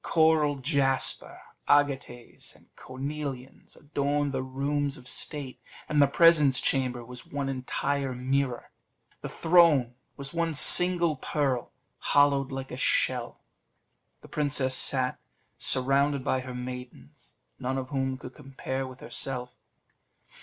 Coral jasper, agates, and cornelians adorned the rooms of state, and the presence chamber was one entire mirror. The throne was one single pearl, hollowed like a shell; the princess sat, surrounded by her maidens, none of whom could compare with herself.